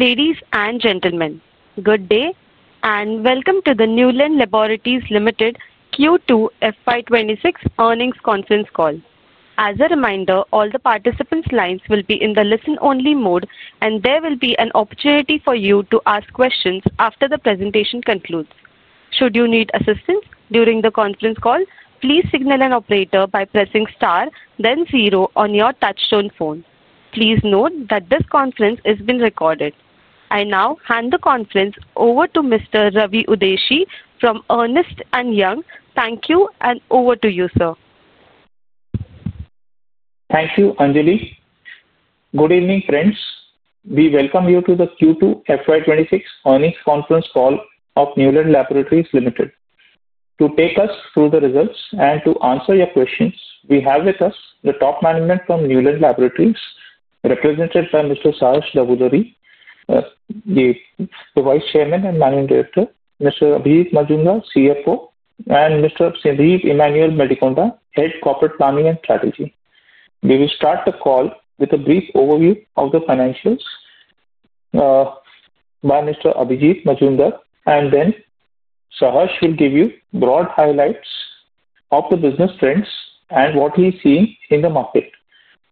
Ladies and gentlemen, good day and welcome to the Neuland Laboratories Limited Q2 FY2026 earnings conference call. As a reminder, all the participants' lines will be in the listen-only mode, and there will be an opportunity for you to ask questions after the presentation concludes. Should you need assistance during the conference call, please signal an operator by pressing star, then zero on your touch-tone phone. Please note that this conference is being recorded. I now hand the conference over to Mr. Ravi Udeshi from Ernst & Young. Thank you, and over to you, sir. Thank you, Anjali. Good evening, friends. We welcome you to the Q2 FY2026 earnings conference call of Neuland Laboratories Limited. To take us through the results and to answer your questions, we have with us the top management from Neuland Laboratories, represented by Mr. Saharsh Davuluri, the Vice Chairman and Managing Director, Mr. Abhijit Majumdar, CFO, and Mr. Sandeep Emmanuel Medikonda, Head of Corporate Planning and Strategy. We will start the call with a brief overview of the financials by Mr. Abhijit Majumdar, and then Saharsh will give you broad highlights of the business trends and what he is seeing in the market.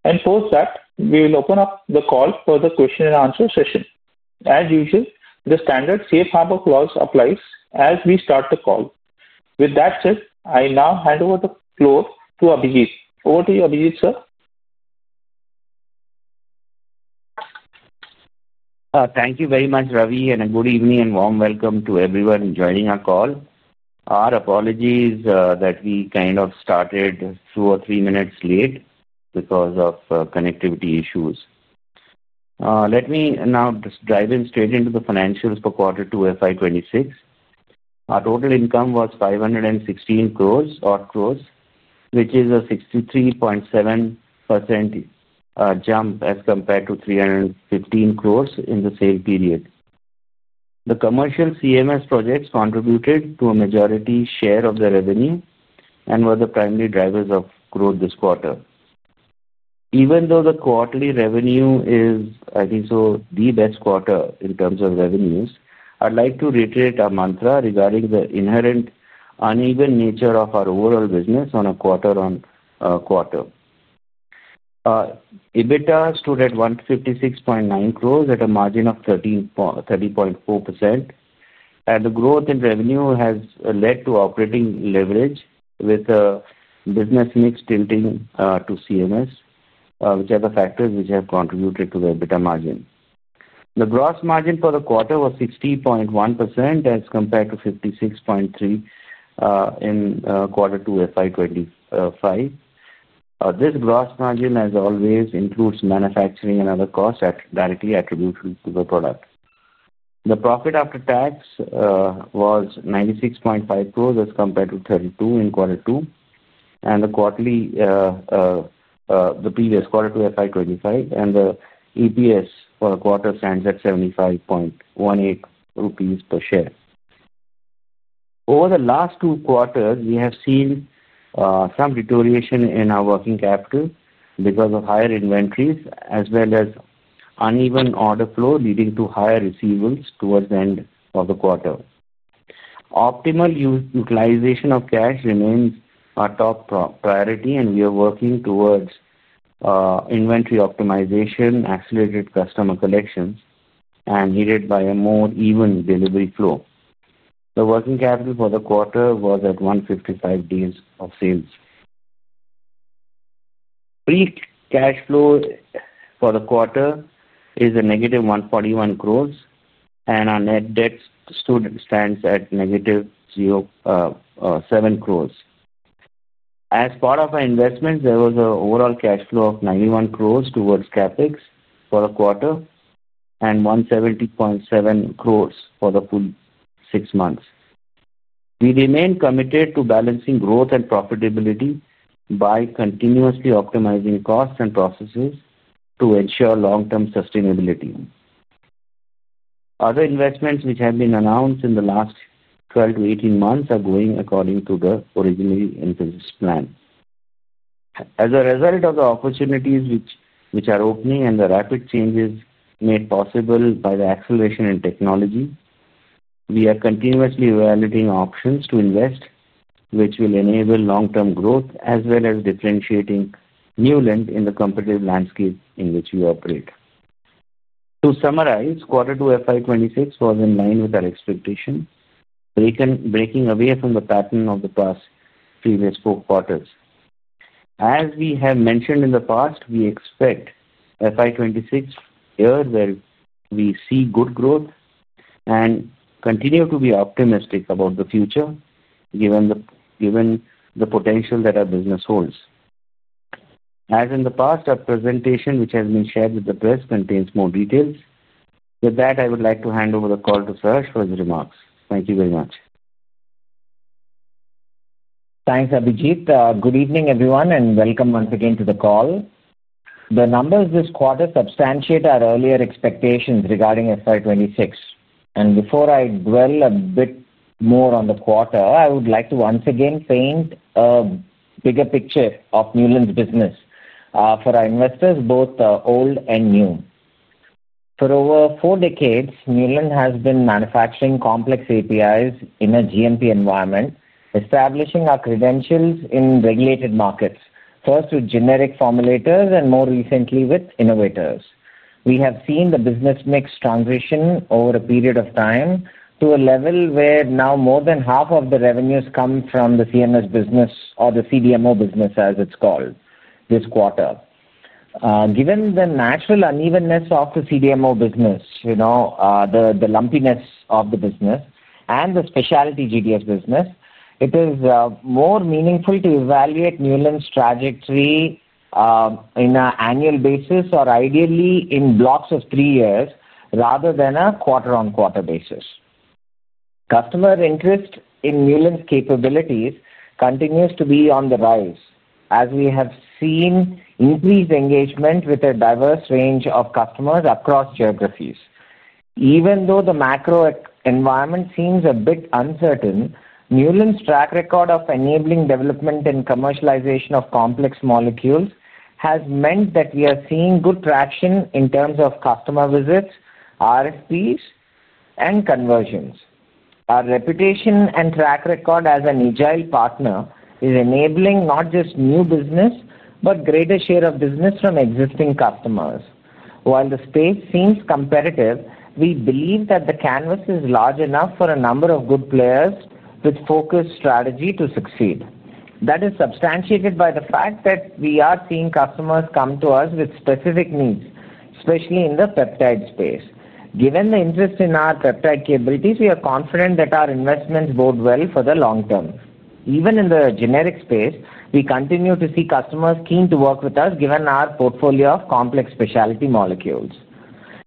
After that, we will open up the call for the question-and-answer session. As usual, the standard safe harbor clause applies as we start the call. With that said, I now hand over the floor to Abhijit. Over to you, Abhijit, sir. Thank you very much, Ravi, and a good evening and warm welcome to everyone joining our call. Our apologies that we kind of started two or three minutes late because of connectivity issues. Let me now just dive in straight into the financials for Q2 FY2026. Our total income was 516 crore, which is a 63.7% jump as compared to 315 crore in the same period. The commercial CMS projects contributed to a majority share of the revenue and were the primary drivers of growth this quarter. Even though the quarterly revenue is, I think so, the best quarter in terms of revenues, I'd like to reiterate our mantra regarding the inherent uneven nature of our overall business on a quarter-on-quarter. EBITDA stood at 156.9 crore at a margin of 30.4%, and the growth in revenue has led to operating leverage with the business mix tilting to CMS, which are the factors which have contributed to the EBITDA margin. The gross margin for the quarter was 60.1% as compared to 56.3% in Q2 FY2025. This gross margin, as always, includes manufacturing and other costs that are directly attributed to the product. The profit after tax was 96.5 crore as compared to 32 crore in Q2 and the previous Q2 FY2025, and the EPS for the quarter stands at 75.18 rupees per share. Over the last two quarters, we have seen some deterioration in our working capital because of higher inventories as well as uneven order flow leading to higher receivables towards the end of the quarter. Optimal utilization of cash remains our top priority, and we are working towards inventory optimization, accelerated customer collections, and needed by a more even delivery flow. The working capital for the quarter was at 155 days of sales. Peak cash flow for the quarter is a -141 crore, and our net debt stands at -0.7 crore. As part of our investments, there was an overall cash flow of 91 crore towards CapEx for the quarter and 170.7 crore for the full six months. We remain committed to balancing growth and profitability by continuously optimizing costs and processes to ensure long-term sustainability. Other investments which have been announced in the last 12 to 18 months are going according to the originally envisaged plan. As a result of the opportunities which are opening and the rapid changes made possible by the acceleration in technology, we are continuously evaluating options to invest which will enable long-term growth as well as differentiating Neuland in the competitive landscape in which we operate. To summarize, Q2 FY2026 was in line with our expectations, breaking away from the pattern of the past previous four quarters. As we have mentioned in the past, we expect FY2026 year where we see good growth and continue to be optimistic about the future given the potential that our business holds. As in the past, our presentation which has been shared with the press contains more details. With that, I would like to hand over the call to Saharsh for his remarks. Thank you very much. Thanks, Abhijit. Good evening, everyone, and welcome once again to the call. The numbers this quarter substantiate our earlier expectations regarding FY 2026. Before I dwell a bit more on the quarter, I would like to once again paint a bigger picture of Neuland's business for our investors, both old and new. For over four decades, Neuland has been manufacturing complex APIs in a GMP environment, establishing our credentials in regulated markets, first with generic formulators and more recently with innovators. We have seen the business mix transition over a period of time to a level where now more than half of the revenues come from the CMS business or the CDMO business, as it's called, this quarter. Given the natural unevenness of the CDMO business, the lumpiness of the business, and the specialty GDS business, it is more meaningful to evaluate Neuland's trajectory on an annual basis or ideally in blocks of three years rather than a quarter-on-quarter basis. Customer interest in Neuland's capabilities continues to be on the rise as we have seen increased engagement with a diverse range of customers across geographies. Even though the macro environment seems a bit uncertain, Neuland's track record of enabling development and commercialization of complex molecules has meant that we are seeing good traction in terms of customer visits, RFPs, and conversions. Our reputation and track record as an agile partner is enabling not just new business but a greater share of business from existing customers. While the space seems competitive, we believe that the canvas is large enough for a number of good players with focused strategy to succeed. That is substantiated by the fact that we are seeing customers come to us with specific needs, especially in the peptide space. Given the interest in our peptide capabilities, we are confident that our investments bode well for the long term. Even in the generic space, we continue to see customers keen to work with us given our portfolio of complex specialty molecules.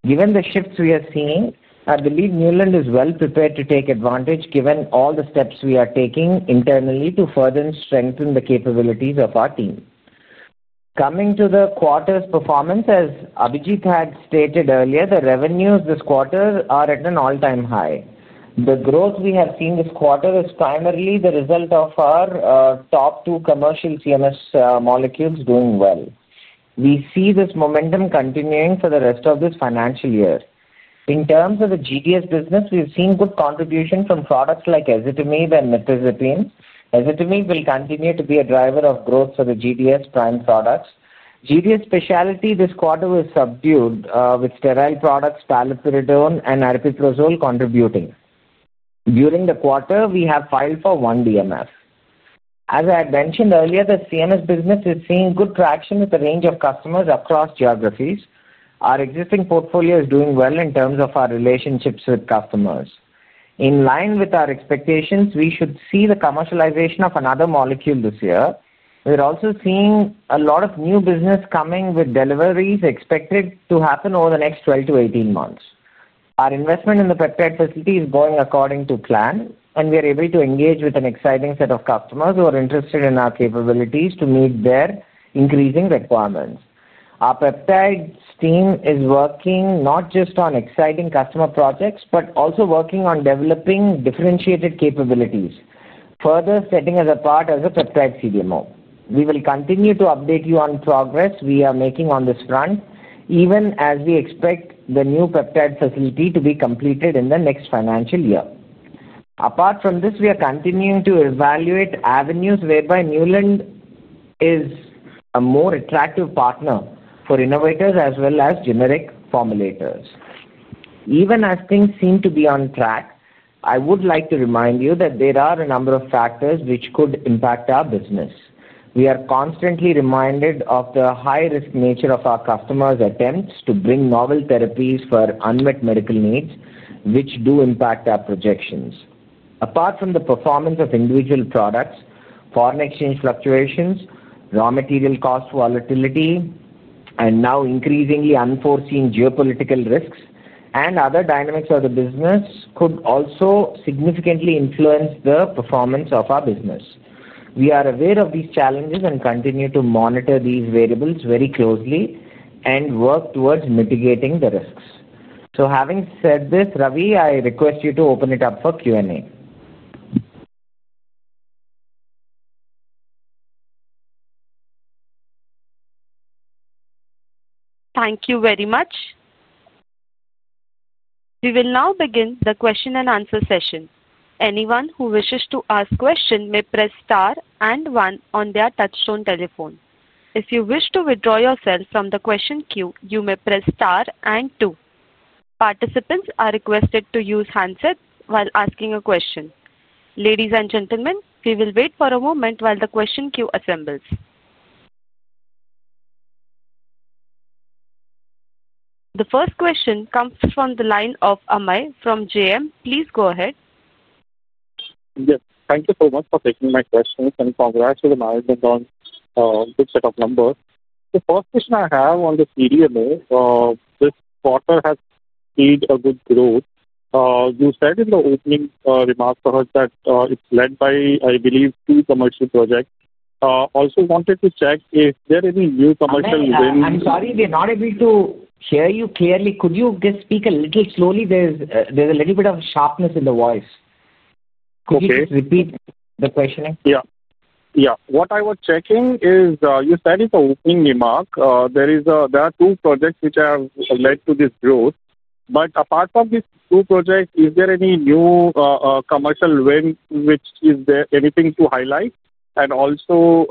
Given the shifts we are seeing, I believe Neuland is well prepared to take advantage given all the steps we are taking internally to further strengthen the capabilities of our team. Coming to the quarter's performance, as Abhijit had stated earlier, the revenues this quarter are at an all-time high. The growth we have seen this quarter is primarily the result of our top two commercial CMS molecules doing well. We see this momentum continuing for the rest of this financial year. In terms of the GDS business, we have seen good contribution from products like ezetimibe and mirtazapine. Ezetimibe will continue to be a driver of growth for the GDS prime products. GDS specialty this quarter was subdued with sterile products, paliperidone, and aripiprazole contributing. During the quarter, we have filed for one DMF. As I had mentioned earlier, the CMS business is seeing good traction with a range of customers across geographies. Our existing portfolio is doing well in terms of our relationships with customers. In line with our expectations, we should see the commercialization of another molecule this year. We are also seeing a lot of new business coming with deliveries expected to happen over the next 12-18 months. Our investment in the peptide facility is going according to plan, and we are able to engage with an exciting set of customers who are interested in our capabilities to meet their increasing requirements. Our peptide team is working not just on exciting customer projects but also working on developing differentiated capabilities, further setting us apart as a peptide CDMO. We will continue to update you on progress we are making on this front, even as we expect the new peptide facility to be completed in the next financial year. Apart from this, we are continuing to evaluate avenues whereby Neuland is a more attractive partner for innovators as well as generic formulators. Even as things seem to be on track, I would like to remind you that there are a number of factors which could impact our business. We are constantly reminded of the high-risk nature of our customers' attempts to bring novel therapies for unmet medical needs, which do impact our projections. Apart from the performance of individual products, foreign exchange fluctuations, raw material cost volatility, and now increasingly unforeseen geopolitical risks, and other dynamics of the business could also significantly influence the performance of our business. We are aware of these challenges and continue to monitor these variables very closely and work towards mitigating the risks. Having said this, Ravi, I request you to open it up for Q&A. Thank you very much. We will now begin the question-and-answer session. Anyone who wishes to ask a question may press star and one on their touchstone telephone. If you wish to withdraw yourself from the question queue, you may press star and two. Participants are requested to use handsets while asking a question. Ladies and gentlemen, we will wait for a moment while the question queue assembles. The first question comes from the line of Amey from JM. Please go ahead. Yes. Thank you so much for taking my questions, and congrats to the management on a good set of numbers. The first question I have on the CDMO, this quarter has seen a good growth. You said in the opening remarks that it's led by, I believe, two commercial projects. Also wanted to check if there are any new commercial wins. I'm sorry, we are not able to hear you clearly. Could you just speak a little slowly? There's a little bit of sharpness in the voice. Okay. Could you repeat the questioning? Yeah. Yeah. What I was checking is you said in the opening remark, there are two projects which have led to this growth. Apart from these two projects, is there any new commercial win, which is there anything to highlight? Also,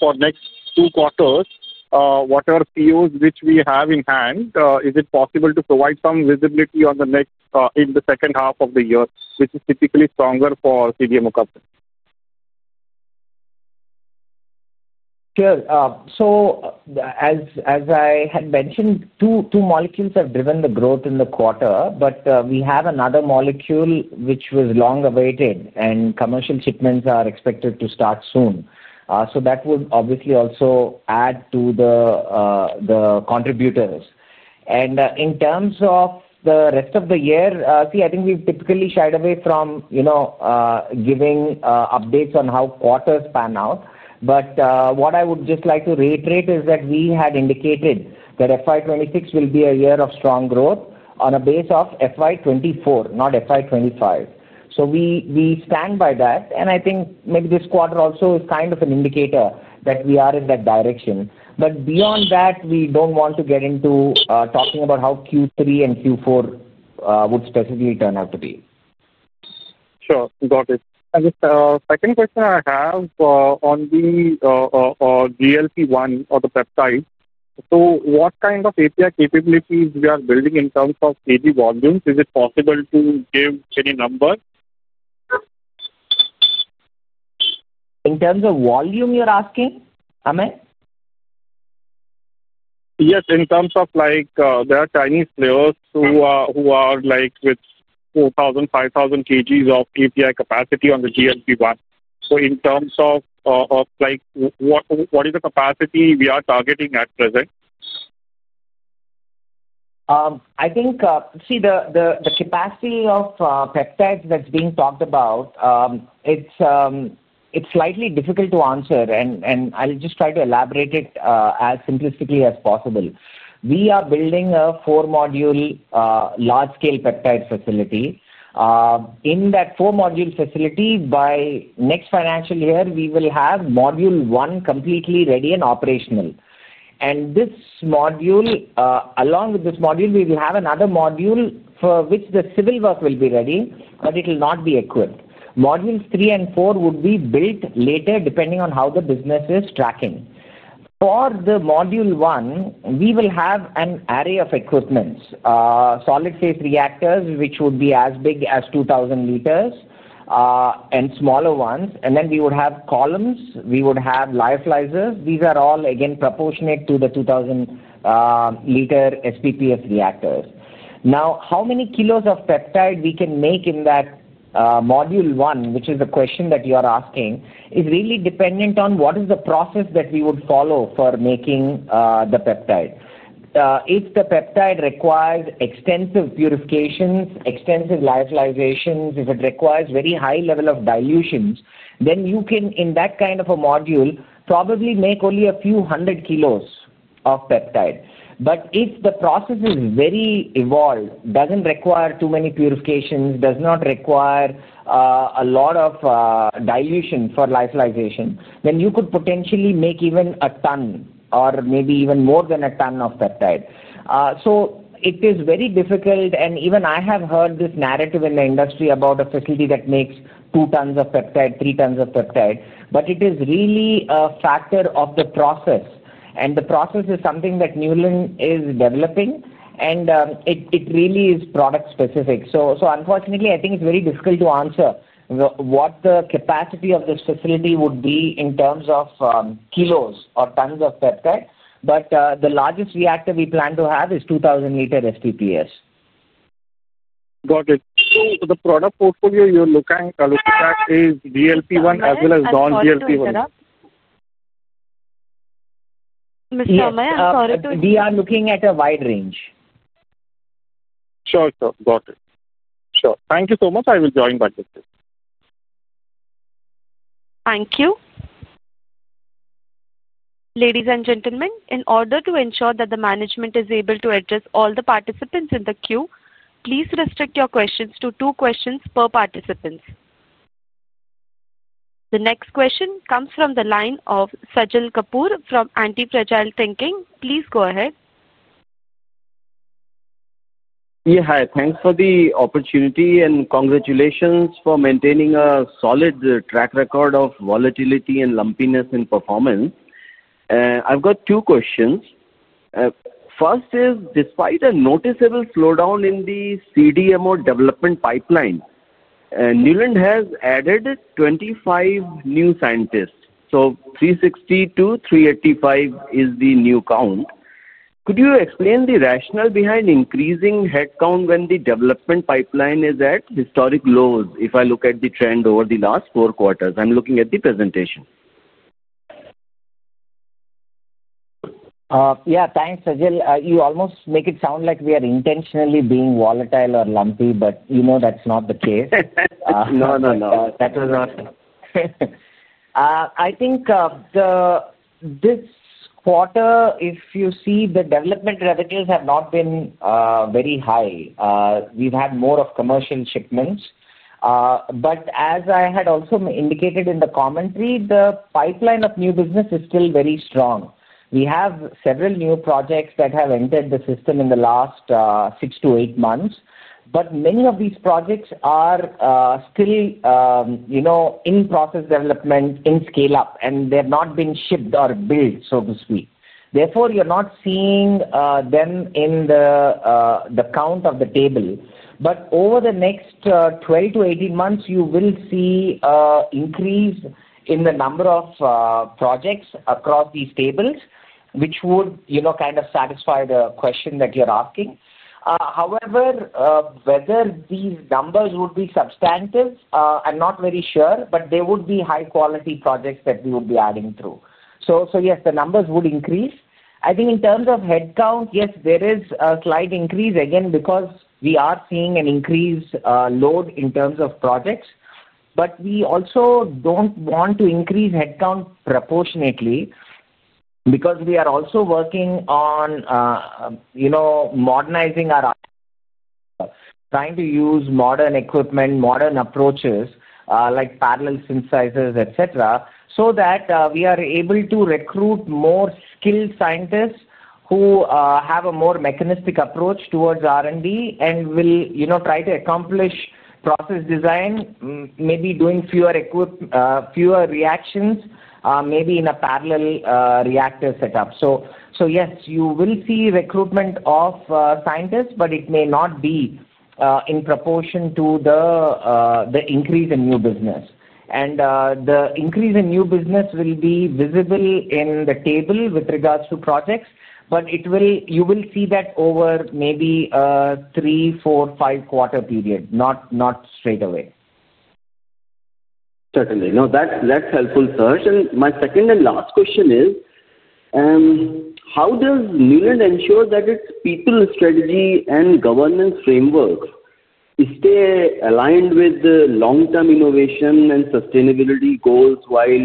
for next two quarters, what are POs which we have in hand? Is it possible to provide some visibility in the second half of the year, which is typically stronger for CDMO companies? Sure. As I had mentioned, two molecules have driven the growth in the quarter, but we have another molecule which was long awaited, and commercial shipments are expected to start soon. That would obviously also add to the contributors. In terms of the rest of the year, I think we've typically shied away from giving updates on how quarters pan out. What I would just like to reiterate is that we had indicated that fiscal year 2026 will be a year of strong growth on a base of fiscal year 2024, not fiscal year 2025. We stand by that, and I think maybe this quarter also is kind of an indicator that we are in that direction. Beyond that, we do not want to get into talking about how Q3 and Q4 would specifically turn out to be. Sure. Got it. The second question I have on the GLP-1 or the peptide. What kind of API capabilities are we building in terms of AG volumes? Is it possible to give any number? In terms of volume, you're asking, Amey? Yes. In terms of there are Chinese players who are with 4,000 kg-5,000 kg of API capacity on the GLP-1. In terms of what is the capacity we are targeting at present? I think, see, the capacity of peptides that's being talked about, it's slightly difficult to answer, and I'll just try to elaborate it as simplistically as possible. We are building a four-module large-scale peptide facility. In that four-module facility, by next financial year, we will have module one completely ready and operational. Along with this module, we will have another module for which the civil work will be ready, but it will not be equipped. Modules three and four would be built later depending on how the business is tracking. For module one, we will have an array of equipment, solid-state reactors which would be as big as 2,000 L and smaller ones. We would have columns, we would have lyophilizers. These are all, again, proportionate to the 2,000 L SPPS reactors. Now, how many kilos of peptide we can make in that module one, which is the question that you are asking, is really dependent on what is the process that we would follow for making the peptide. If the peptide requires extensive purifications, extensive lyophilizations, if it requires very high level of dilutions, then you can, in that kind of a module, probably make only a few hundred kilos of peptide. If the process is very evolved, does not require too many purifications, does not require a lot of dilution for lyophilization, then you could potentially make even a ton or maybe even more than a ton of peptide. It is very difficult, and even I have heard this narrative in the industry about a facility that makes two tons of peptide, three tons of peptide. It is really a factor of the process, and the process is something that Neuland is developing, and it really is product-specific. Unfortunately, I think it's very difficult to answer what the capacity of this facility would be in terms of kilos or tons of peptide. The largest reactor we plan to have is 2,000 L SPPS. Got it. So the product portfolio you're looking at is GLP-1 as well as non-GLP-1? Mr. Amey, I'm sorry to interrupt. We are looking at a wide range. Sure. Got it. Sure. Thank you so much. I will join back in a bit. Thank you. Ladies and gentlemen, in order to ensure that the management is able to address all the participants in the queue, please restrict your questions to two questions per participant. The next question comes from the line of Sajal Kapoor from Antifragile Thinking. Please go ahead. Yeah. Hi. Thanks for the opportunity, and congratulations for maintaining a solid track record of volatility and lumpiness in performance. I've got two questions. First is, despite a noticeable slowdown in the CDMO development pipeline, Neuland has added 25 new scientists. So 360 to 385 is the new count. Could you explain the rationale behind increasing headcount when the development pipeline is at historic lows if I look at the trend over the last four quarters? I'm looking at the presentation. Yeah. Thanks, Sajal. You almost make it sound like we are intentionally being volatile or lumpy, but that's not the case. No, no. That was not. I think this quarter, if you see, the development revenues have not been very high. We've had more of commercial shipments. As I had also indicated in the commentary, the pipeline of new business is still very strong. We have several new projects that have entered the system in the last six to eight months, but many of these projects are still in process development, in scale-up, and they have not been shipped or billed, so to speak. Therefore, you're not seeing them in the count of the table. Over the next 12-18 months, you will see an increase in the number of projects across these tables, which would kind of satisfy the question that you're asking. However, whether these numbers would be substantive, I'm not very sure, but there would be high-quality projects that we would be adding through. Yes, the numbers would increase. I think in terms of headcount, yes, there is a slight increase, again, because we are seeing an increased load in terms of projects. We also do not want to increase headcount proportionately because we are also working on modernizing our—trying to use modern equipment, modern approaches like parallel synthesizers, etc., so that we are able to recruit more skilled scientists who have a more mechanistic approach towards R&D and will try to accomplish process design, maybe doing fewer reactions, maybe in a parallel reactor setup. Yes, you will see recruitment of scientists, but it may not be in proportion to the increase in new business. The increase in new business will be visible in the table with regards to projects, but you will see that over maybe three, four, five quarter period, not straight away. Certainly. No, that's helpful, Saharsh. My second and last question is, how does Neuland ensure that its people strategy and governance framework stay aligned with the long-term innovation and sustainability goals while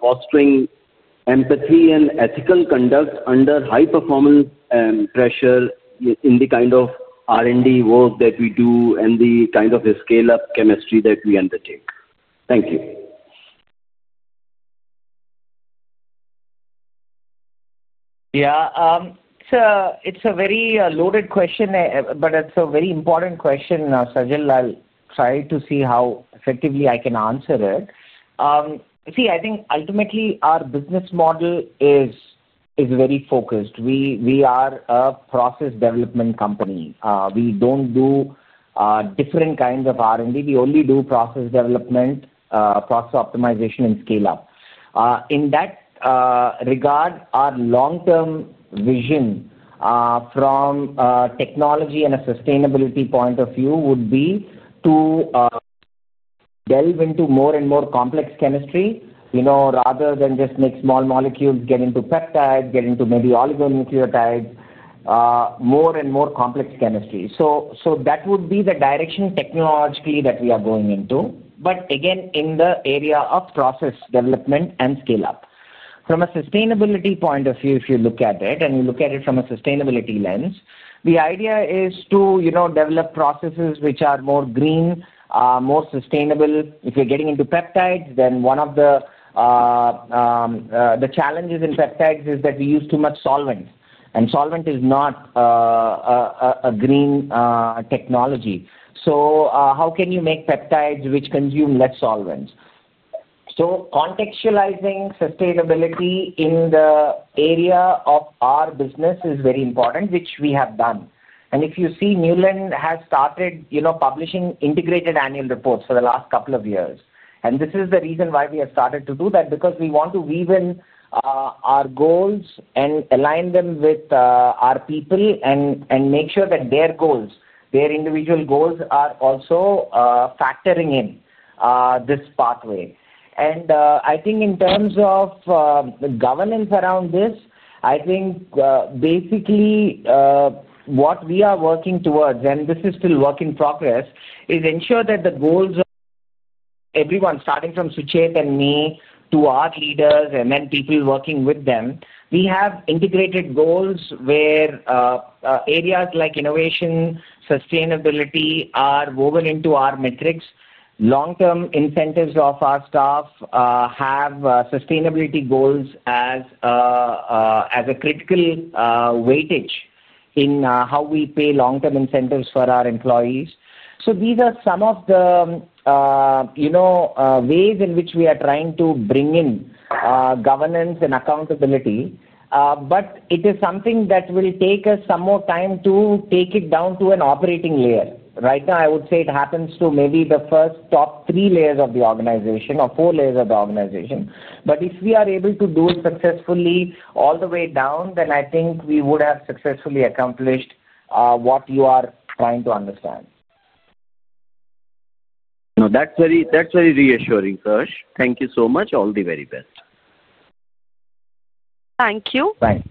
fostering empathy and ethical conduct under high-performance pressure in the kind of R&D work that we do and the kind of scale-up chemistry that we undertake? Thank you. Yeah. It's a very loaded question, but it's a very important question, Sajal. I'll try to see how effectively I can answer it. See, I think ultimately our business model is very focused. We are a process development company. We don't do different kinds of R&D. We only do process development, process optimization, and scale-up. In that regard, our long-term vision from technology and a sustainability point of view would be to delve into more and more complex chemistry rather than just make small molecules, get into peptides, get into maybe oligonucleotides, more and more complex chemistry. That would be the direction technologically that we are going into. Again, in the area of process development and scale-up. From a sustainability point of view, if you look at it, and you look at it from a sustainability lens, the idea is to develop processes which are more green, more sustainable. If we're getting into peptides, then one of the challenges in peptides is that we use too much solvent, and solvent is not a green technology. How can you make peptides which consume less solvent? Contextualizing sustainability in the area of our business is very important, which we have done. If you see, Neuland has started publishing integrated annual reports for the last couple of years. This is the reason why we have started to do that, because we want to weave in our goals and align them with our people and make sure that their goals, their individual goals, are also factoring in this pathway. I think in terms of governance around this, I think basically what we are working towards, and this is still a work in progress, is ensure that the goals of everyone, starting from Sucheth and me to our leaders and then people working with them, we have integrated goals where areas like innovation, sustainability are woven into our metrics. Long-term incentives of our staff have sustainability goals as a critical weightage in how we pay long-term incentives for our employees. These are some of the ways in which we are trying to bring in governance and accountability. It is something that will take us some more time to take it down to an operating layer. Right now, I would say it happens to maybe the first top three layers of the organization or four layers of the organization. If we are able to do it successfully all the way down, then I think we would have successfully accomplished what you are trying to understand. No, that's very reassuring, Saharsh. Thank you so much. All the very best. Thank you. Bye.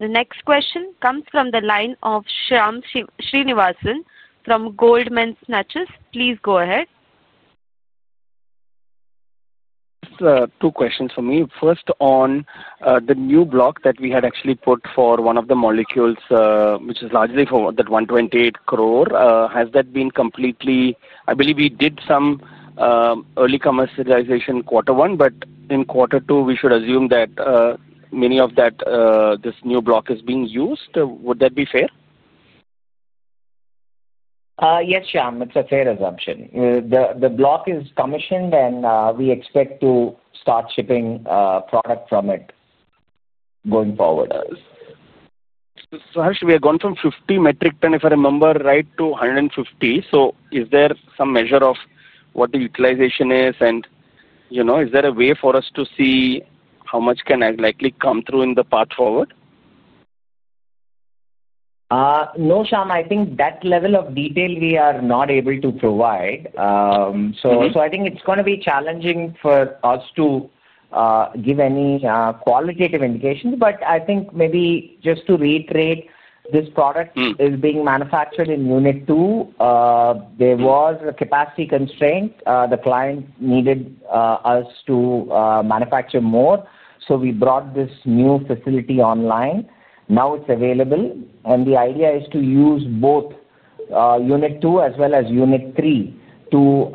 The next question comes from the line of Shyam Srinivasan from Goldman Sachs. Please go ahead. Two questions for me. First, on the new block that we had actually put for one of the molecules, which is largely for that 128 crore, has that been completely—I believe we did some early commercialization quarter one, but in quarter two, we should assume that many of this new block is being used. Would that be fair? Yes, Shyam, it's a fair assumption. The block is commissioned, and we expect to start shipping product from it going forward. Saharsh, we have gone from 50 metric ton, if I remember right, to 150. Is there some measure of what the utilization is, and is there a way for us to see how much can likely come through in the path forward? No, Shyam, I think that level of detail we are not able to provide. I think it's going to be challenging for us to give any qualitative indications. I think maybe just to reiterate, this product is being manufactured in unit two. There was a capacity constraint. The client needed us to manufacture more, so we brought this new facility online. Now it's available, and the idea is to use both unit two as well as unit three to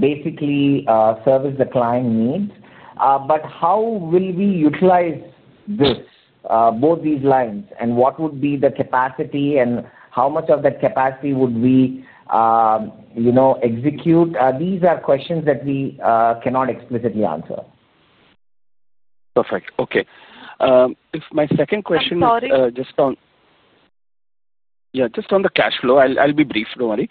basically service the client needs. How will we utilize both these lines, and what would be the capacity, and how much of that capacity would we execute? These are questions that we cannot explicitly answer. Perfect. Okay. My second question is just on— I'm sorry. Yeah, just on the cash flow. I'll be brief. Don't worry.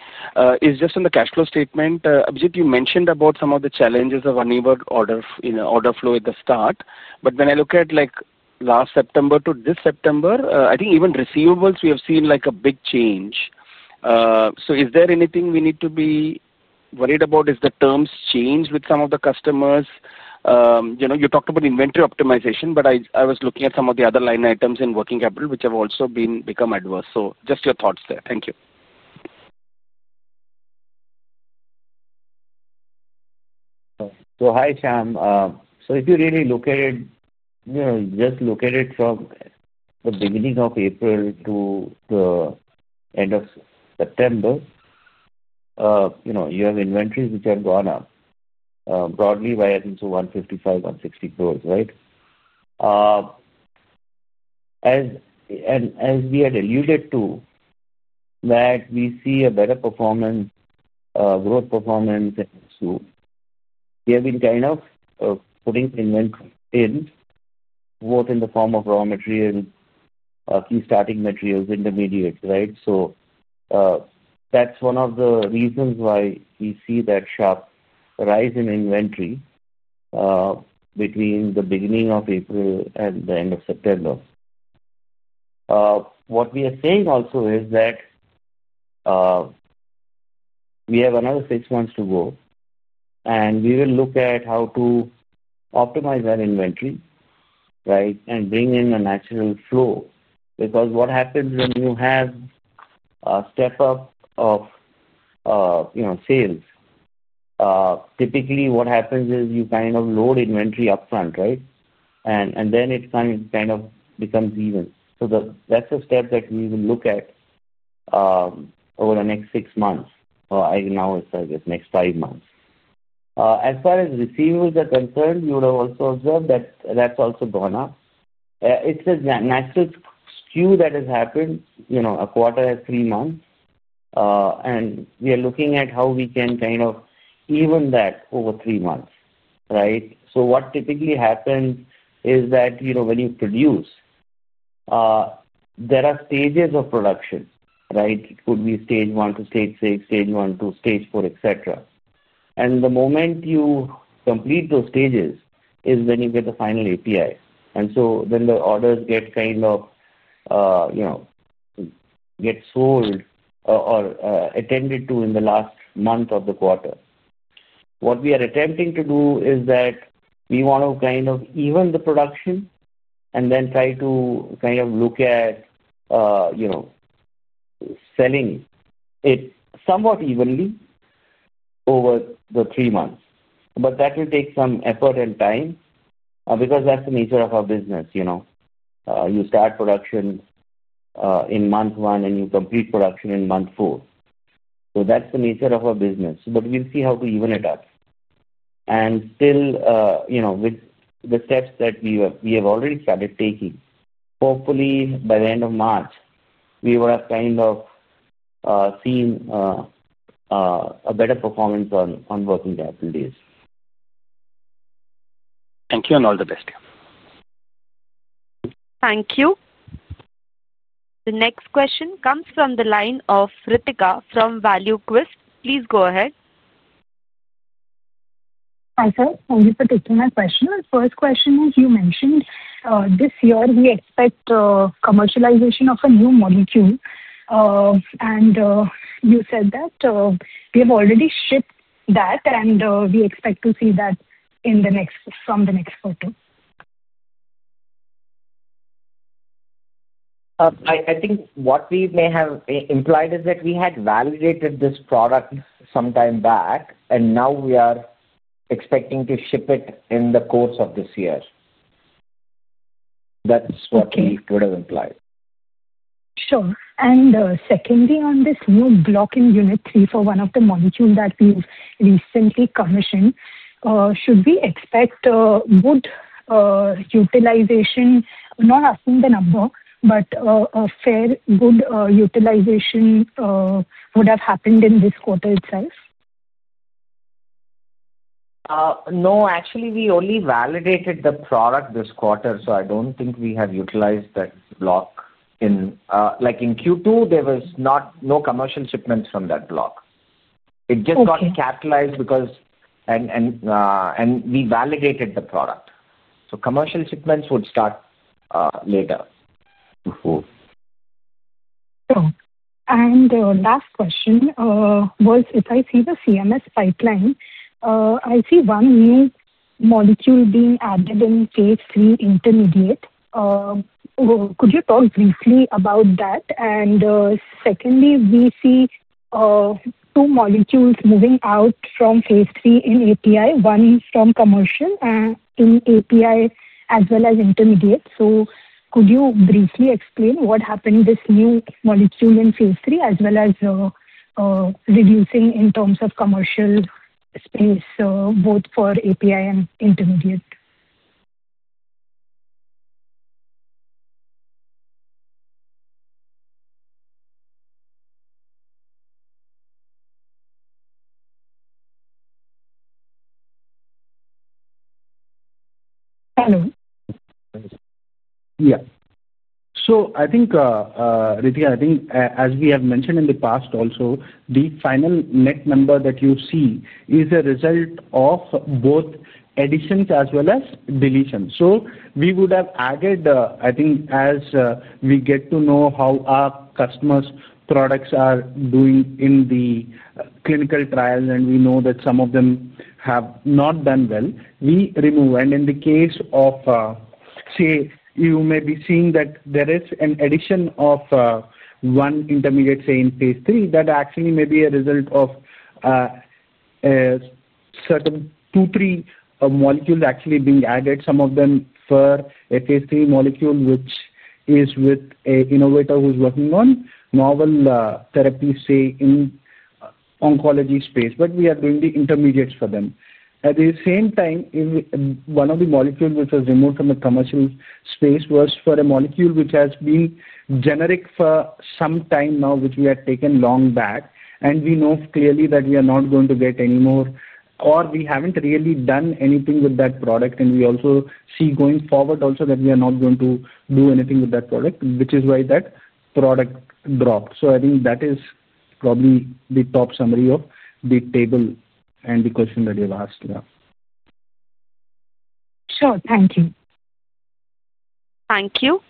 It's just on the cash flow statement. Abhijit, you mentioned about some of the challenges of a new order flow at the start. When I look at last September to this September, I think even receivables, we have seen a big change. Is there anything we need to be worried about? Is the terms changed with some of the customers? You talked about inventory optimization, but I was looking at some of the other line items in working capital, which have also become adverse. Just your thoughts there. Thank you. Hi, Shyam. If you really look at it, just look at it from the beginning of April to the end of September, you have inventories which have gone up broadly by up to 155-160 crore, right? As we had alluded to, we see a better growth performance in SKU. We have been kind of putting inventory in both in the form of raw materials, key starting materials, intermediates, right? That is one of the reasons why we see that sharp rise in inventory between the beginning of April and the end of September. What we are saying also is that we have another six months to go, and we will look at how to optimize that inventory, right, and bring in a natural flow. Because what happens when you have a step-up of sales? Typically, what happens is you kind of load inventory upfront, right? It kind of becomes even. That is a step that we will look at over the next six months, or now it is next five months. As far as receivables are concerned, you would have also observed that has also gone up. It is a natural skew that has happened a quarter or three months, and we are looking at how we can kind of even that over three months, right? What typically happens is that when you produce, there are stages of production, right? It could be stage one to stage six, stage one to stage four, etc. The moment you complete those stages is when you get the final API. Then the orders get kind of sold or attended to in the last month of the quarter. What we are attempting to do is that we want to kind of even the production and then try to kind of look at selling it somewhat evenly over the three months. That will take some effort and time because that is the nature of our business. You start production in month one and you complete production in month four. That is the nature of our business. We will see how to even it up. Still, with the steps that we have already started taking, hopefully by the end of March, we will have kind of seen a better performance on working capital days. Thank you, and all the best. Thank you. The next question comes from the line of Ritika from ValueQuest. Please go ahead. Hi, sir. Thank you for taking my question. First question is, you mentioned this year we expect commercialization of a new molecule. You said that we have already shipped that, and we expect to see that from the next quarter. I think what we may have implied is that we had validated this product sometime back, and now we are expecting to ship it in the course of this year. That's what we would have implied. Sure. Secondly, on this new block in unit three for one of the molecules that we have recently commissioned, should we expect good utilization? I am not asking the number, but a fair good utilization would have happened in this quarter itself? No, actually, we only validated the product this quarter, so I do not think we have utilized that block. In Q2, there was no commercial shipments from that block. It just got capitalized because we validated the product. Commercial shipments would start later. Sure. Last question was, if I see the CMS pipeline, I see one new molecule being added in phase III, intermediate. Could you talk briefly about that? Secondly, we see two molecules moving out from phase III in API, one from commercial in API as well as intermediate. Could you briefly explain what happened with this new molecule in phase III as well as reducing in terms of commercial space, both for API and intermediate? Hello. Yeah. I think, Ritika, as we have mentioned in the past also, the final net number that you see is a result of both additions as well as deletions. We would have added, I think, as we get to know how our customers' products are doing in the clinical trials, and we know that some of them have not done well, we remove. In the case of, say, you may be seeing that there is an addition of one intermediate in phase III that actually may be a result of certain two-three molecules actually being added, some of them for a phase three molecule which is with an innovator who's working on novel therapies, say, in oncology space. We are doing the intermediates for them. At the same time, one of the molecules which was removed from the commercial space was for a molecule which has been generic for some time now, which we had taken long back, and we know clearly that we are not going to get any more, or we haven't really done anything with that product. We also see going forward also that we are not going to do anything with that product, which is why that product dropped. I think that is probably the top summary of the table and the question that you've asked. Yeah. Sure. Thank you. Thank you.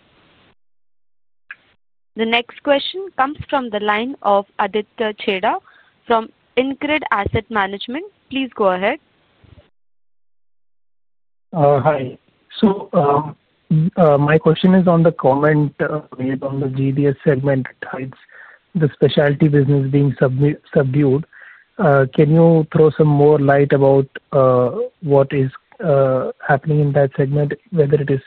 The next question comes from the line of Aditya Chheda from InCred Asset Management. Please go ahead. Hi. My question is on the comment made on the GDS segment, the specialty business being subdued. Can you throw some more light about what is happening in that segment, whether it is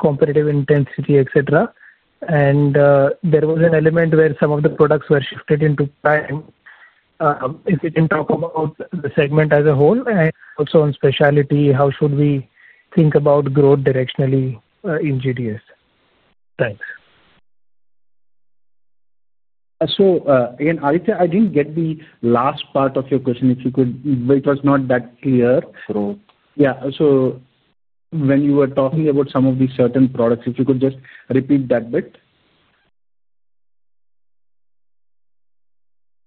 competitive intensity, etc.? There was an element where some of the products were shifted into time. If you can talk about the segment as a whole, and also on specialty, how should we think about growth directionally in GDS? Thanks. Again, Abhijit, I didn't get the last part of your question, if you could. It was not that clear. Growth. Yeah. So when you were talking about some of these certain products, if you could just repeat that bit?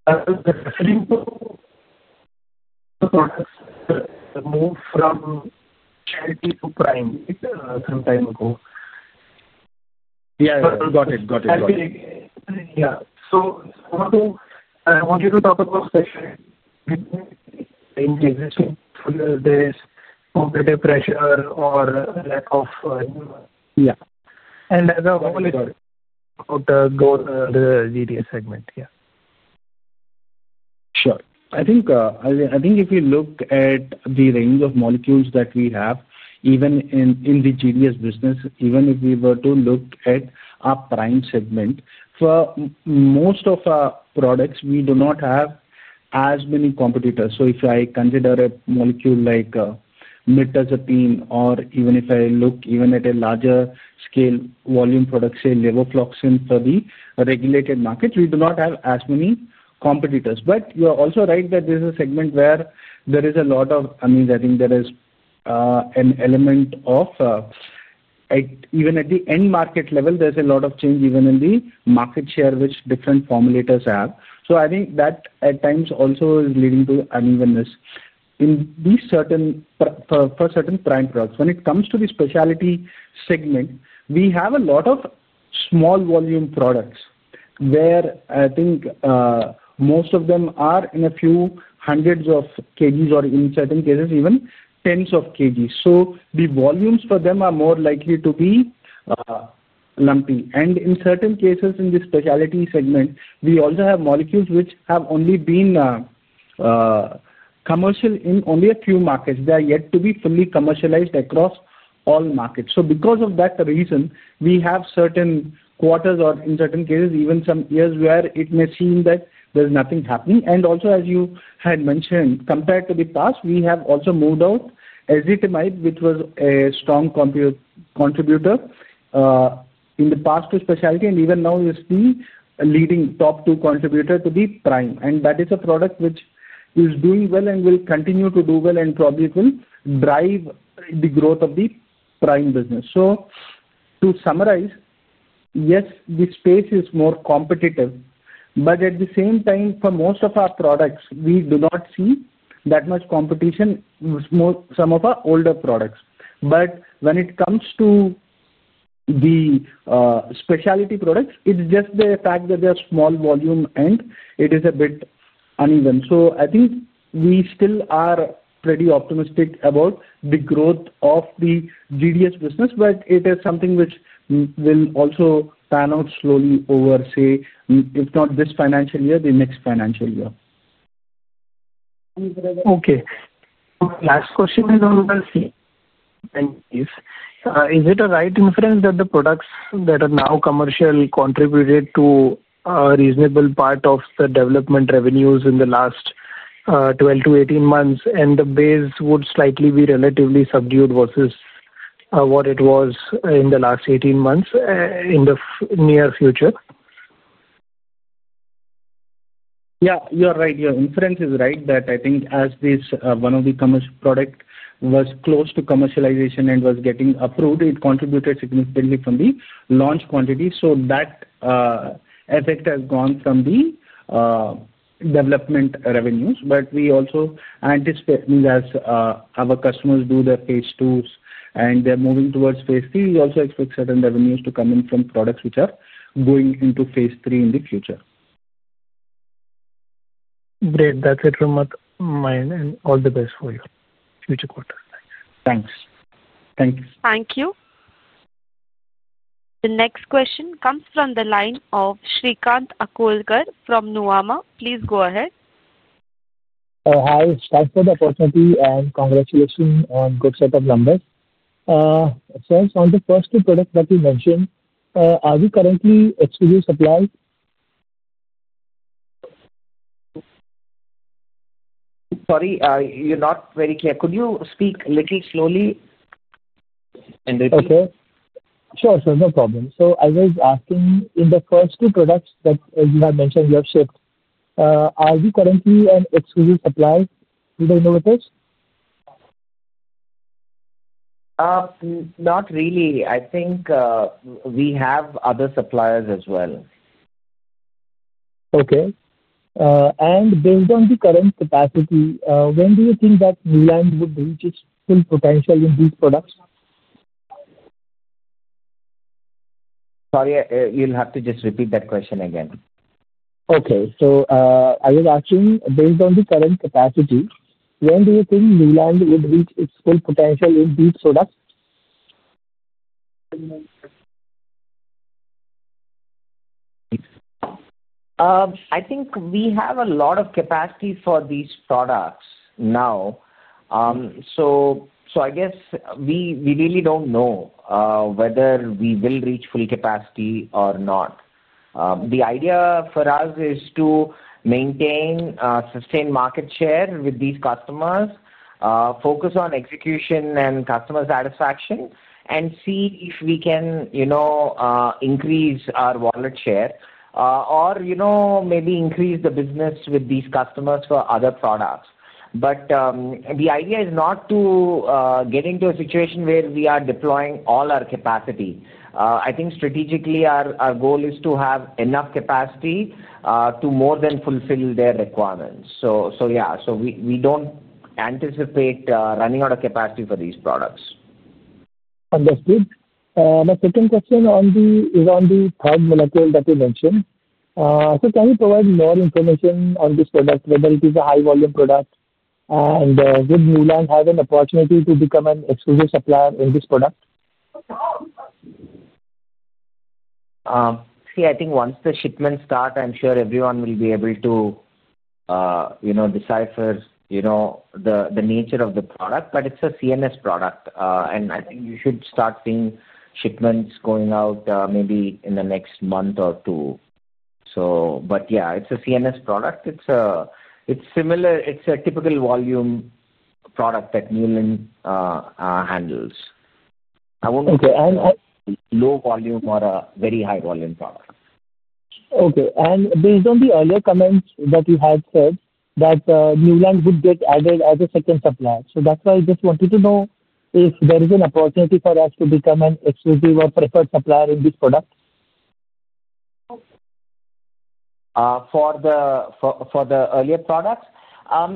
The products move from specialty to prime some time ago. Yeah. Got it. Got it. Yeah. I want you to talk about specialty in existing field. There is competitive pressure or lack of? Yeah. As I was. Go ahead. About the GDS segment. Yeah. Sure. I think if you look at the range of molecules that we have, even in the GDS business, even if we were to look at our prime segment, for most of our products, we do not have as many competitors. If I consider a molecule like mirtazapine, or even if I look even at a larger scale volume product, say, levofloxacin for the regulated market, we do not have as many competitors. You are also right that there is a segment where there is a lot of, I mean, I think there is an element of even at the end market level, there is a lot of change, even in the market share which different formulators have. I think that at times also is leading to unevenness in these certain prime products. When it comes to the specialty segment, we have a lot of small volume products where I think most of them are in a few hundreds of kg or in certain cases, even tens of kg. The volumes for them are more likely to be lumpy. In certain cases, in the specialty segment, we also have molecules which have only been commercial in only a few markets. They are yet to be fully commercialized across all markets. Because of that reason, we have certain quarters or in certain cases, even some years where it may seem that there's nothing happening. Also, as you had mentioned, compared to the past, we have also moved out ezetimibe, which was a strong contributor in the past to specialty, and even now is the leading top two contributor to the prime. That is a product which is doing well and will continue to do well and probably will drive the growth of the prime business. To summarize, yes, the space is more competitive, but at the same time, for most of our products, we do not see that much competition with some of our older products. When it comes to the specialty products, it is just the fact that they are small volume, and it is a bit uneven. I think we still are pretty optimistic about the growth of the GDS business, but it is something which will also pan out slowly over, say, if not this financial year, the next financial year. Okay. Last question is on the. Thank you. Is it a right inference that the products that are now commercial contributed to a reasonable part of the development revenues in the last 12-18 months, and the base would slightly be relatively subdued versus what it was in the last 18 months in the near future? Yeah. You are right. Your inference is right that I think as one of the commercial products was close to commercialization and was getting approved, it contributed significantly from the launch quantity. That effect has gone from the development revenues. We also anticipate that as our customers do their phase twos and they are moving towards phase three, we also expect certain revenues to come in from products which are going into phase three in the future. Great. That is it from my end. All the best for your future quarters. Thanks. Thanks. Thank you. Thank you. The next question comes from the line of Shrikant Akolkar from Nuvama. Please go ahead. Hi. Thanks for the opportunity and congratulations on a good set of numbers. Sirs, on the first two products that you mentioned, are we currently excluding supplies? Sorry, you're not very clear. Could you speak a little slowly, Shrikant? Okay. Sure, sure. No problem. I was asking, in the first two products that you have mentioned you have shipped, are we currently an exclusive supplier to the innovators? Not really. I think we have other suppliers as well. Okay. Based on the current capacity, when do you think that Neuland would reach its full potential in these products? Sorry, you'll have to just repeat that question again. Okay. So I was asking, based on the current capacity, when do you think Neuland would reach its full potential in these products? I think we have a lot of capacity for these products now. I guess we really do not know whether we will reach full capacity or not. The idea for us is to maintain, sustain market share with these customers, focus on execution and customer satisfaction, and see if we can increase our wallet share or maybe increase the business with these customers for other products. The idea is not to get into a situation where we are deploying all our capacity. I think strategically, our goal is to have enough capacity to more than fulfill their requirements. We do not anticipate running out of capacity for these products. Understood. My second question is on the third molecule that you mentioned. Can you provide more information on this product, whether it is a high-volume product, and would Neuland have an opportunity to become an exclusive supplier in this product? See, I think once the shipments start, I'm sure everyone will be able to decipher the nature of the product. It's a CNS product. I think you should start seeing shipments going out maybe in the next month or two. It's a CNS product. It's a typical volume product that Neuland handles. Okay. And. Low volume or a very high volume product. Okay. Based on the earlier comments that you had said, that Neuland would get added as a second supplier. I just wanted to know if there is an opportunity for us to become an exclusive or preferred supplier in this product? For the earlier products?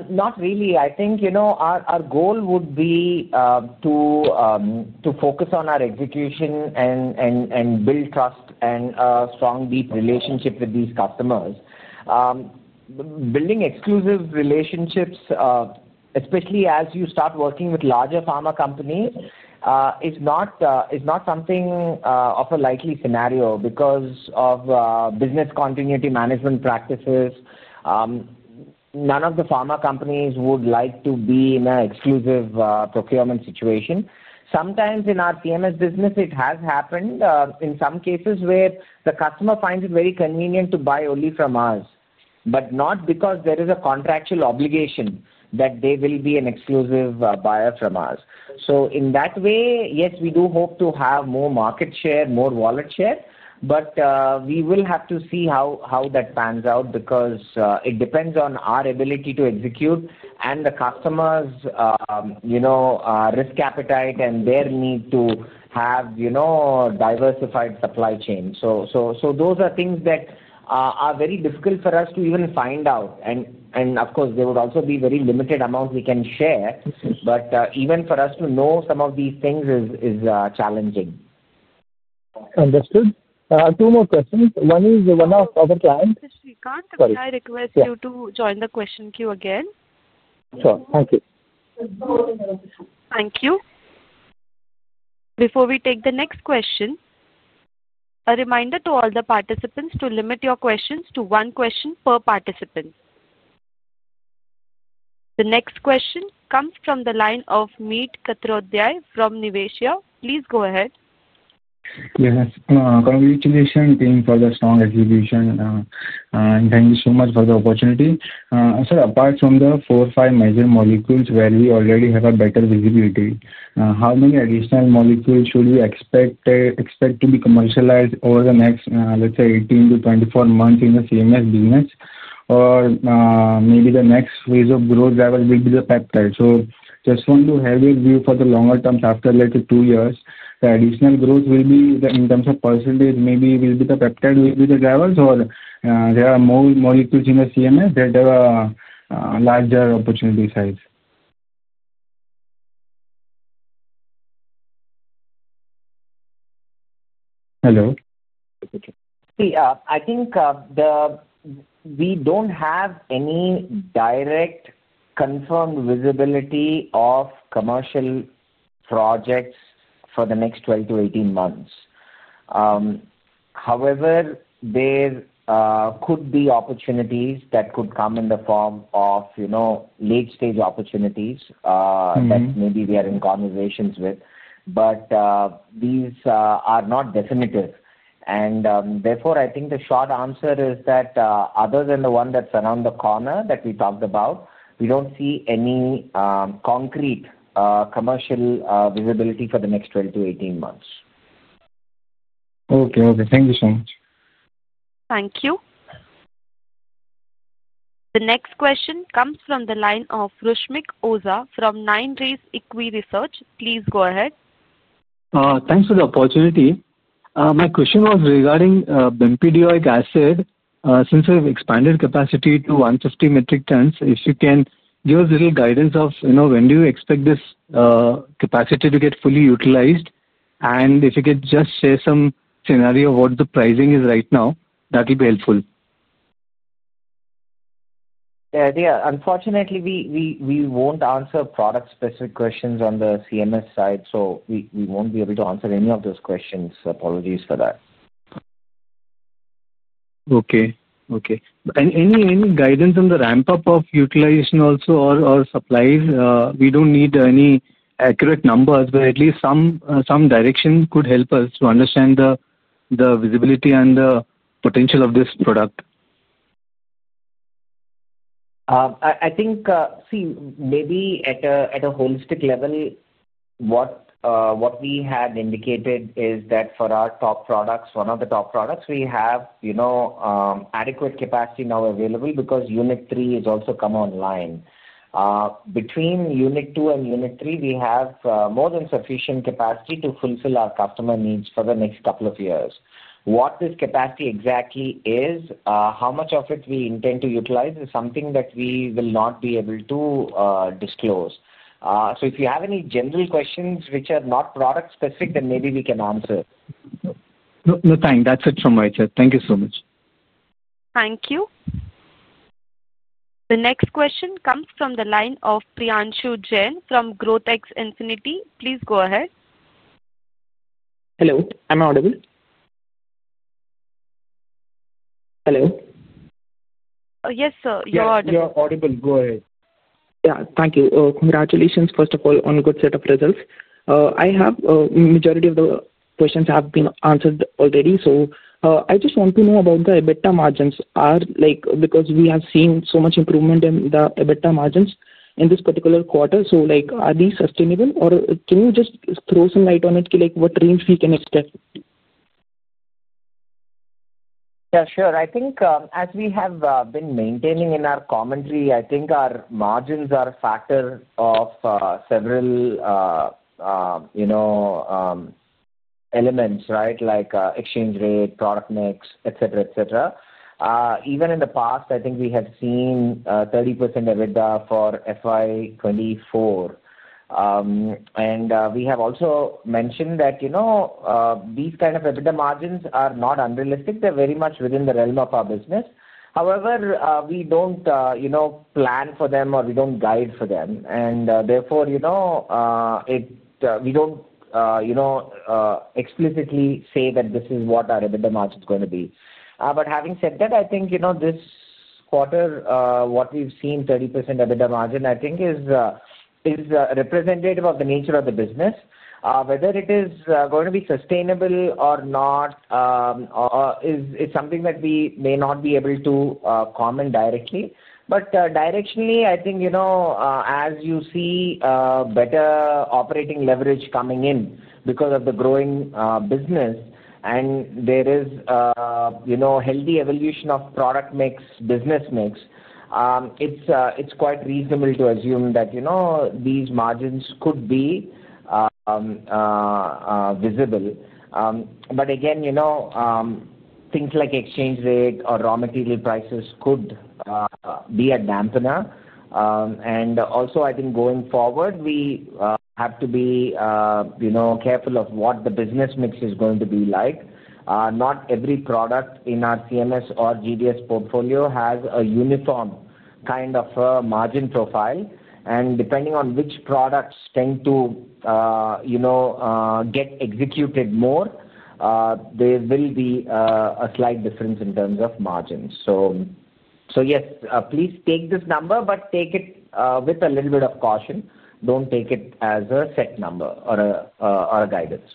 Not really. I think our goal would be to focus on our execution and build trust and a strong, deep relationship with these customers. Building exclusive relationships, especially as you start working with larger pharma companies, is not something of a likely scenario because of business continuity management practices. None of the pharma companies would like to be in an exclusive procurement situation. Sometimes in our CMS business, it has happened in some cases where the customer finds it very convenient to buy only from us, but not because there is a contractual obligation that they will be an exclusive buyer from us. In that way, yes, we do hope to have more market share, more wallet share, but we will have to see how that pans out because it depends on our ability to execute and the customer's risk appetite and their need to have diversified supply chains. Those are things that are very difficult for us to even find out. Of course, there would also be very limited amounts we can share, but even for us to know some of these things is challenging. Understood. Two more questions. One is one of our clients. Shrikant, I request you to join the question queue again. Sure. Thank you. Thank you. Before we take the next question, a reminder to all the participants to limit your questions to one question per participant. The next question comes from the line of Meet Katrodiya from Niveshaay. Please go ahead. Yes. Congratulations team for the strong execution. Thank you so much for the opportunity. Sir, apart from the four or five major molecules where we already have a better visibility, how many additional molecules should we expect to be commercialized over the next, let's say, 18-24 months in the CMS business? Maybe the next phase of growth drivers will be the peptides. Just want to have your view for the longer term after two years. The additional growth will be in terms of percentage, maybe the peptides will be the drivers, or are there more molecules in the CMS that have a larger opportunity size. Hello? See, I think we don't have any direct confirmed visibility of commercial projects for the next 12-18 months. However, there could be opportunities that could come in the form of late-stage opportunities that maybe we are in conversations with, but these are not definitive. Therefore, I think the short answer is that other than the one that's around the corner that we talked about, we don't see any concrete commercial visibility for the next 12-18 months. Okay. Okay. Thank you so much. Thank you. The next question comes from the line of Rusmik Oza from 9 Rays EquiResearch. Please go ahead. Thanks for the opportunity. My question was regarding bempedoic acid. Since we've expanded capacity to 150 metric tons, if you can give us a little guidance of when do you expect this capacity to get fully utilized? If you could just share some scenario of what the pricing is right now, that will be helpful. Yeah. Unfortunately, we won't answer product-specific questions on the CMS side, so we won't be able to answer any of those questions. Apologies for that. Okay. Okay. Any guidance on the ramp-up of utilization also or supplies? We do not need any accurate numbers, but at least some direction could help us to understand the visibility and the potential of this product. I think, see, maybe at a holistic level, what we had indicated is that for our top products, one of the top products, we have adequate capacity now available because unit three has also come online. Between unit two and unit three, we have more than sufficient capacity to fulfill our customer needs for the next couple of years. What this capacity exactly is, how much of it we intend to utilize is something that we will not be able to disclose. If you have any general questions which are not product-specific, then maybe we can answer. No time. That's it from my side. Thank you so much. Thank you. The next question comes from the line of Priyanshu Jain from GrowthX Infinity. Please go ahead. Hello. Am I audible? Hello. Yes, sir. You're audible. You're audible. Go ahead. Yeah. Thank you. Congratulations, first of all, on a good set of results. I have a majority of the questions have been answered already, so I just want to know about the EBITDA margins because we have seen so much improvement in the EBITDA margins in this particular quarter. Are these sustainable, or can you just throw some light on it, what range we can expect? Yeah. Sure. I think as we have been maintaining in our commentary, I think our margins are a factor of several elements, right, like exchange rate, product mix, etc., etc. Even in the past, I think we have seen 30% EBITDA for FY2024. We have also mentioned that these kinds of EBITDA margins are not unrealistic. They're very much within the realm of our business. However, we don't plan for them or we don't guide for them. Therefore, we don't explicitly say that this is what our EBITDA margin is going to be. Having said that, I think this quarter, what we've seen, 30% EBITDA margin, I think is representative of the nature of the business. Whether it is going to be sustainable or not, it's something that we may not be able to comment directly. Directionally, I think as you see better operating leverage coming in because of the growing business and there is healthy evolution of product mix, business mix, it's quite reasonable to assume that these margins could be visible. Again, things like exchange rate or raw material prices could be a dampener. Also, I think going forward, we have to be careful of what the business mix is going to be like. Not every product in our CMS or GDS portfolio has a uniform kind of margin profile. Depending on which products tend to get executed more, there will be a slight difference in terms of margins. Yes, please take this number, but take it with a little bit of caution. Do not take it as a set number or a guidance.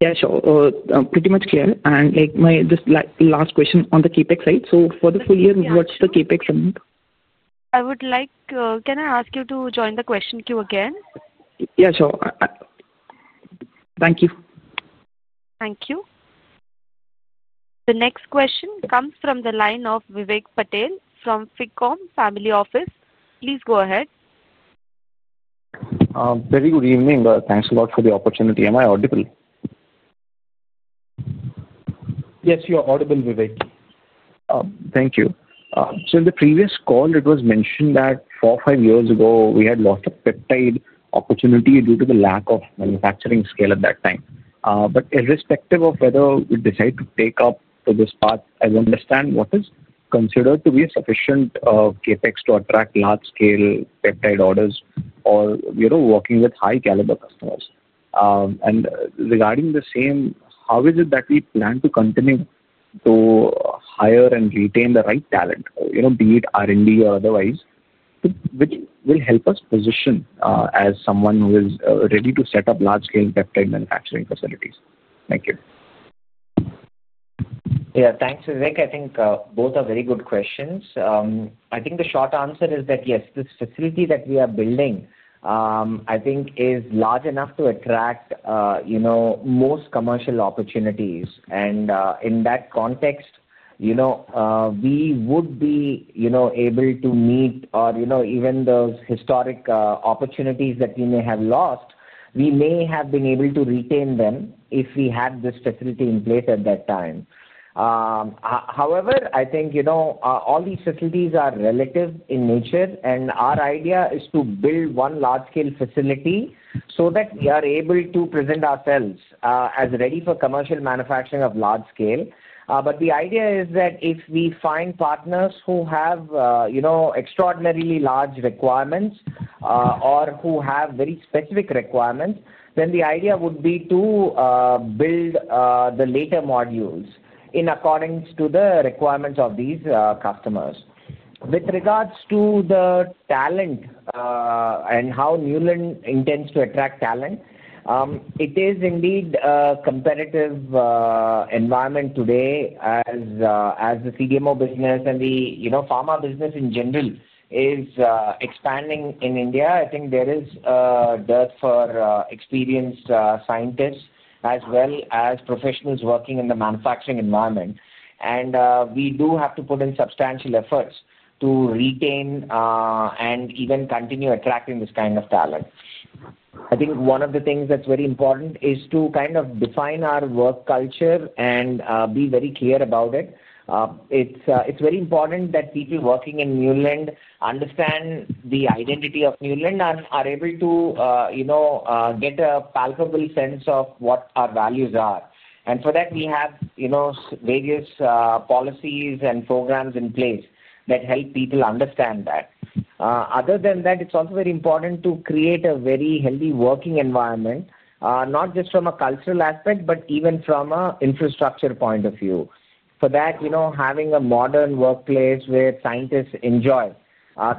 Yeah. Sure. Pretty much clear. And just last question on the CapEx side. For the full year, what's the CapEx summary? I would like to—can I ask you to join the question queue again? Yeah. Sure. Thank you. Thank you. The next question comes from the line of Vivek Patel from Ficom Family Office. Please go ahead. Very good evening. Thanks a lot for the opportunity. Am I audible? Yes, you're audible, Vivek. Thank you. In the previous call, it was mentioned that four or five years ago, we had lost a peptide opportunity due to the lack of manufacturing scale at that time. Irrespective of whether we decide to take up this path, I do not understand what is considered to be a sufficient CapEx to attract large-scale peptide orders or working with high-caliber customers. Regarding the same, how is it that we plan to continue to hire and retain the right talent, be it R&D or otherwise, which will help us position as someone who is ready to set up large-scale peptide manufacturing facilities? Thank you. Yeah. Thanks, Vivek. I think both are very good questions. I think the short answer is that yes, this facility that we are building, I think, is large enough to attract most commercial opportunities. In that context, we would be able to meet or even those historic opportunities that we may have lost, we may have been able to retain them if we had this facility in place at that time. However, I think all these facilities are relative in nature, and our idea is to build one large-scale facility so that we are able to present ourselves as ready for commercial manufacturing of large scale. The idea is that if we find partners who have extraordinarily large requirements or who have very specific requirements, then the idea would be to build the later modules in accordance to the requirements of these customers. With regards to the talent and how Neuland intends to attract talent, it is indeed a competitive environment today as the CDMO business and the pharma business in general is expanding in India. I think there is a dearth for experienced scientists as well as professionals working in the manufacturing environment. We do have to put in substantial efforts to retain and even continue attracting this kind of talent. I think one of the things that's very important is to kind of define our work culture and be very clear about it. It's very important that people working in Neuland understand the identity of Neuland and are able to get a palpable sense of what our values are. For that, we have various policies and programs in place that help people understand that. Other than that, it's also very important to create a very healthy working environment, not just from a cultural aspect, but even from an infrastructure point of view. For that, having a modern workplace where scientists enjoy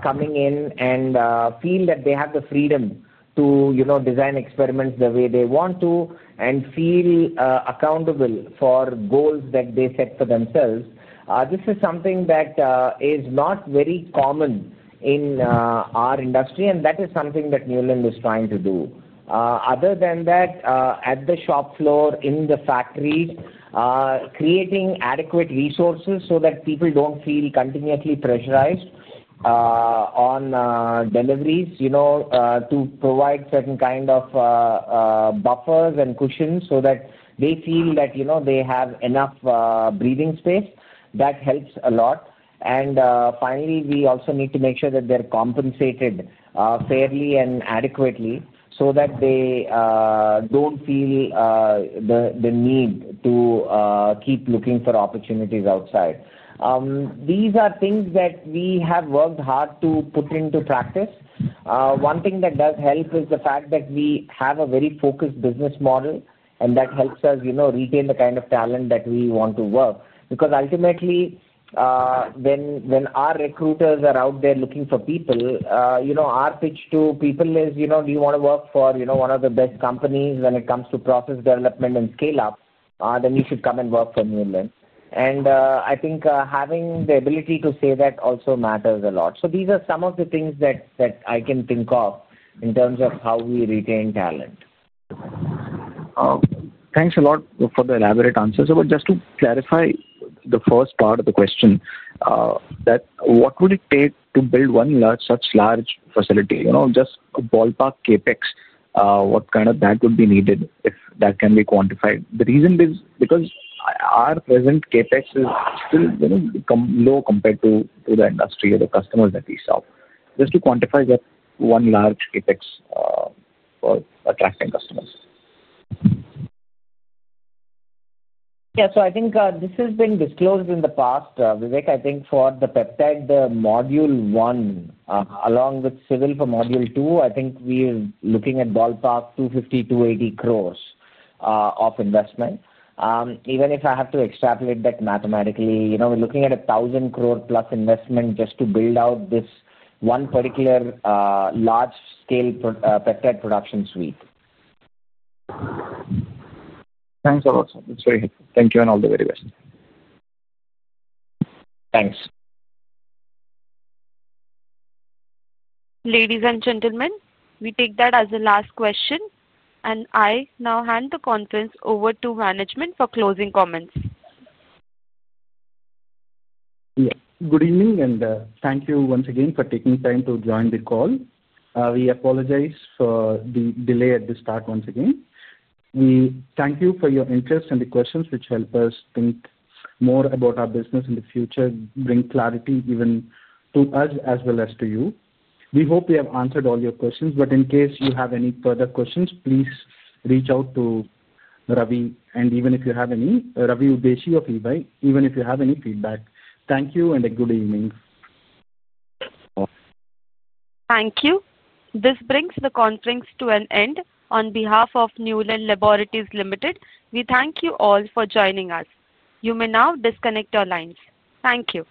coming in and feel that they have the freedom to design experiments the way they want to and feel accountable for goals that they set for themselves. This is something that is not very common in our industry, and that is something that Neuland is trying to do. Other than that, at the shop floor, in the factories, creating adequate resources so that people don't feel continuously pressurized on deliveries to provide certain kinds of buffers and cushions so that they feel that they have enough breathing space. That helps a lot. Finally, we also need to make sure that they're compensated fairly and adequately so that they don't feel the need to keep looking for opportunities outside. These are things that we have worked hard to put into practice. One thing that does help is the fact that we have a very focused business model, and that helps us retain the kind of talent that we want to work. Ultimately, when our recruiters are out there looking for people, our pitch to people is, "Do you want to work for one of the best companies when it comes to process development and scale-up? Then you should come and work for Neuland." I think having the ability to say that also matters a lot. These are some of the things that I can think of in terms of how we retain talent. Thanks a lot for the elaborate answers. Just to clarify the first part of the question, what would it take to build such a large facility? Just a ballpark CapEx, what kind of that would be needed if that can be quantified? The reason is because our present CapEx is still low compared to the industry or the customers that we serve. Just to quantify that one large CapEx for attracting customers. Yeah. I think this has been disclosed in the past, Vivek. I think for the peptide, the module one, along with civil for module two, I think we are looking at ballpark 250-280 crore of investment. Even if I have to extrapolate that mathematically, we are looking at an 1,000 crore+ investment just to build out this one particular large-scale peptide production suite. Thanks a lot, sir. That's very helpful. Thank you and all the very best. Thanks. Ladies and gentlemen, we take that as the last question, and I now hand the conference over to management for closing comments. Good evening, and thank you once again for taking time to join the call. We apologize for the delay at the start once again. We thank you for your interest and the questions which help us think more about our business in the future, bring clarity even to us as well as to you. We hope we have answered all your questions, but in case you have any further questions, please reach out to Ravi, and even if you have any, Ravi Udeshi of Ernst & Young, even if you have any feedback. Thank you and a good evening. Thank you. This brings the conference to an end. On behalf of Neuland Laboratories Limited, we thank you all for joining us. You may now disconnect your lines. Thank you.